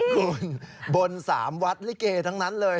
คุณบน๓วัดลิเกทั้งนั้นเลย